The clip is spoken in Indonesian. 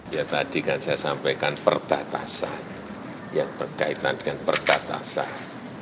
ya tadi kan saya sampaikan perbatasan yang berkaitan dengan perbatasan